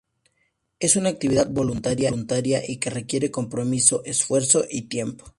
Es una actividad voluntaria y que requiere compromiso, esfuerzo y tiempo.